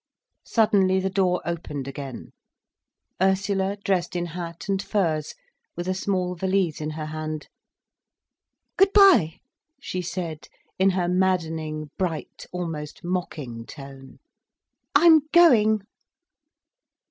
Suddenly the door opened again: Ursula, dressed in hat and furs, with a small valise in her hand: "Good bye!" she said, in her maddening, bright, almost mocking tone. "I'm going."